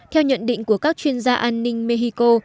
theo nhận định của các chuyên gia an ninh mexico